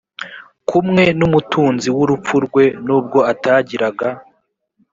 kumwe n’umutunzi mu rupfu rwe nubwo atagiraga